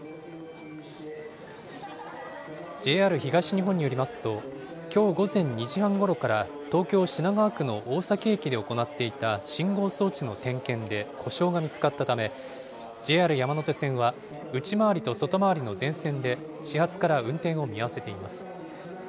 ＪＲ東日本によりますと、きょう午前２時半ごろから、東京・品川駅の大崎駅で行っていた信号装置の点検で故障が見つかったため、ＪＲ山手線は、内回りと外回りの全線で始発から運転を見合わせています。